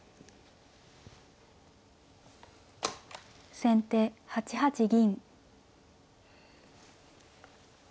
先手８八銀。